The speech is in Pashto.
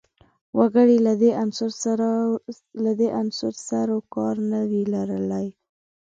وګړي له دې عنصر سر و کار نه وي لرلای